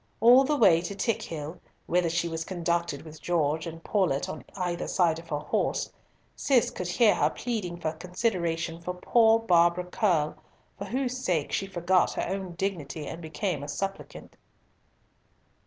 All the way to Tickhill, whither she was conducted with Gorges and Paulett on either side of her horse, Cis could hear her pleading for consideration for poor Barbara Curll, for whose sake she forgot her own dignity and became a suppliant.